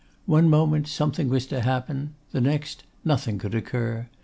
One moment something was to happen, the next nothing could occur.